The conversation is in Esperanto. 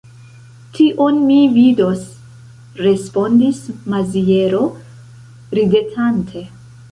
Tion mi vidos, respondis Maziero ridetante.